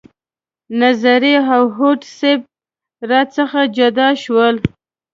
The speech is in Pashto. نظري او هوډ صیب را څخه جدا شول.